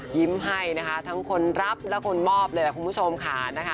ยิ้มให้นะคะทั้งคนรับและคนมอบเลยล่ะคุณผู้ชมค่ะนะคะ